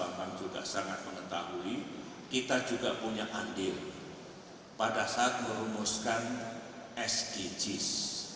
pak bapak pak juga sangat mengetahui kita juga punya andir pada saat merumuskan sdgs